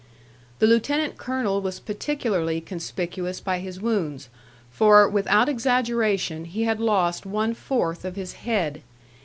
The lieutenant colonel was particularly conspicuous by his wounds, for, without exaggeration, he had lost one fourth of his head.